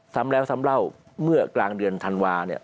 ซ้ำแล้วซ้ำเล่าเมื่อกลางเดือนธันวาเนี่ย